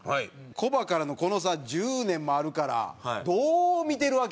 コバからのこの差１０年もあるからどう見てるわけ？